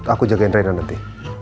aku jagain reina nanti